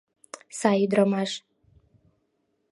— Сай ӱдырамаш.